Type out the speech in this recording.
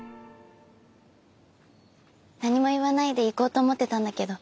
何も言わないで行こうと思ってたんだけど。